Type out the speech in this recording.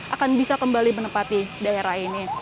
akan bisa kembali menempati daerah ini